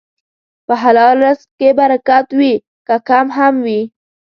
په حلال رزق کې برکت وي، که کم هم وي.